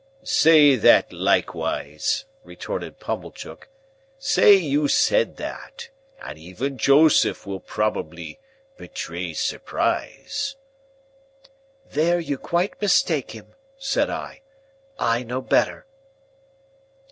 "Say that likewise," retorted Pumblechook. "Say you said that, and even Joseph will probably betray surprise." "There you quite mistake him," said I. "I know better."